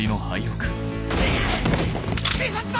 警察だ！